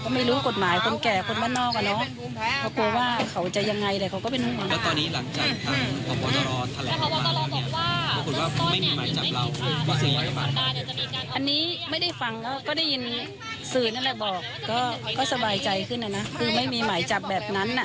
ความร่วมมือ